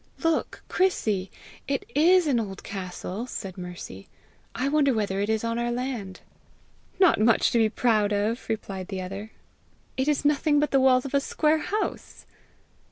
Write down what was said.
"Look, Chrissy! It IS an old castle!" said Mercy. "I wonder whether it is on our land!" "Not much to be proud of!" replied the other. "It is nothing but the walls of a square house!"